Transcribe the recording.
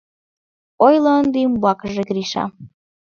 Ойло ынде умбакыже, Гриша.